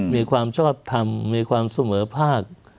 มีความชอบทำมีความเสมอภาค